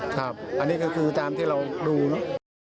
ครับอันนี้ก็คือตามที่เราดูเนอะ